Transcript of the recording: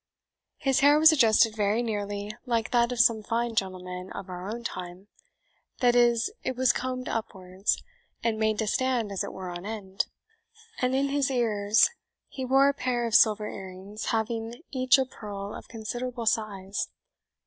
His hair was adjusted very nearly like that of some fine gentlemen of our own time that is, it was combed upwards, and made to stand as it were on end; and in his ears he wore a pair of silver earrings, having each a pearl of considerable size.